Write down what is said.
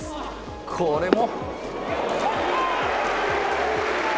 これも。